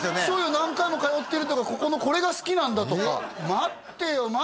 そうよ何回も通ってるとかここのこれが好きなんだとか待ってよ